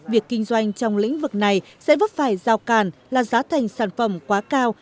việc kinh doanh trong lĩnh vực này sẽ vấp phải rào càn là giá thành sản phẩm quá cao